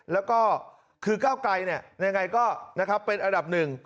แล้วก็คือก้าวไกลยังไงก็เป็นอันดับหนึ่ง